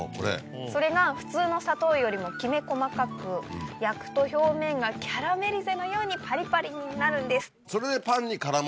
それが普通の砂糖よりもきめ細かく焼くと表面がキャラメリゼのようにパリパリになるんです。